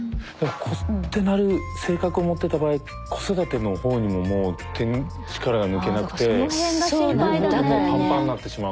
なる性格を持ってた場合子育てのほうにももう力が抜けなくて両方もうぱんぱんなってしまう。